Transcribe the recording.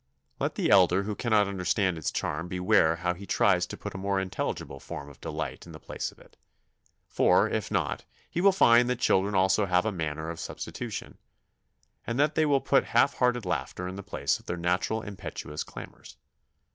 Let the elder who cannot understand its charm beware how he tries to put a more intelligible form of delight in the place of it; for, if not, he will find that children also have a manner of substitution, and that they will put half hearted laughter in the place of their natural impetuous clamours.